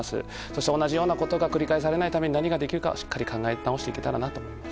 そして同じようなことが繰り返されないために何ができるのかをしっかり考え直していけたらと。